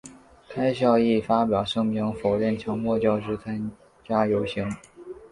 设校亦发表声明否认强迫教师参加游行。